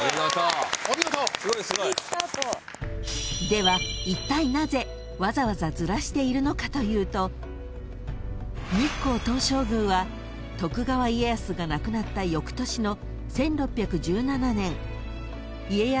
［ではいったいなぜわざわざずらしているのかというと日光東照宮は徳川家康が亡くなった翌年の］